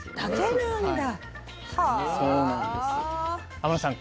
天野さん